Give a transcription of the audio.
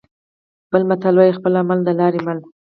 بل متل وايي: خپل عمل د لارې مل.